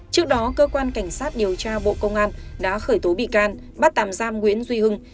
trước đó cơ quan cảnh sát điều tra bộ công an đã khởi tố bị can bắt tạm giam nguyễn duy hưng